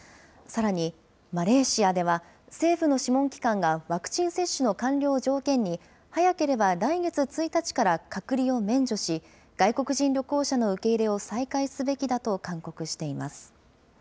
さらに、マレーシアでは政府の諮問機関がワクチン接種の完了を条件に、早ければ来月１日から隔離を免除し、外国人旅行者の受け入れを再開すべきだと勧告しています。